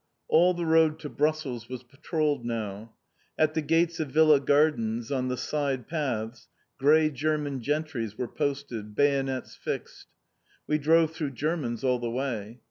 All the road to Brussels was patrolled now. At the gates of villa gardens, on the side paths, grey German sentries were posted, bayonets fixed. We drove through Germans all the way.